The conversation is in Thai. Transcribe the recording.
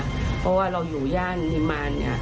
เพราะว่าเราอยู่ย่านฮิมานเนี่ย